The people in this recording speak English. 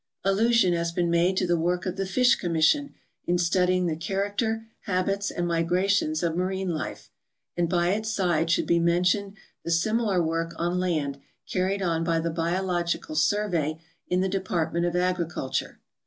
Allusion has been made to the work of the Fish Commission in studying the character, habits, and migrations of marine life, and by its side should be mentioned the similar work on land carried on by the Biological Survey in the Department of Agri culture.